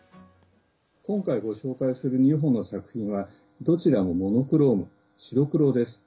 今回ご紹介する２本の作品はどちらもモノクローム、白黒です。